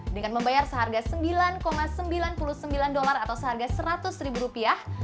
dengan membayar seharga sembilan sembilan puluh sembilan dolar atau seharga seratus ribu rupiah